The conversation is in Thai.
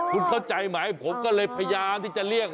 คุณเข้าใจไหมผมก็เลยพยายามที่จะเรียก